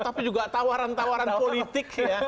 tapi juga tawaran tawaran politik ya